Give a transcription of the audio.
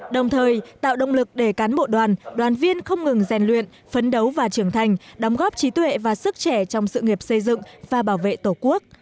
đồng thời tạo động lực để cán bộ đoàn đoàn viên không ngừng rèn luyện phấn đấu và trưởng thành đóng góp trí tuệ và sức trẻ trong sự nghiệp xây dựng và bảo vệ tổ quốc